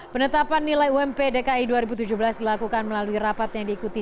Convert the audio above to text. penetapan nilai ump dki dua ribu tujuh belas dilakukan melalui rapat yang diikuti